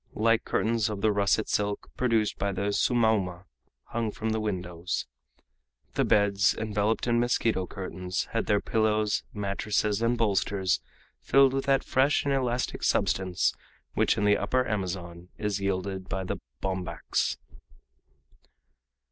Light curtains of the russet silk, produced by the "sumauma," hung from the windows. The beds, enveloped in mosquito curtains, had their pillows, mattresses, and bolsters filled with that fresh and elastic substance which in the Upper Amazon is yielded by the bombax.